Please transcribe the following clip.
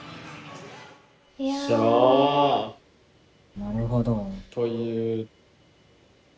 なるほど。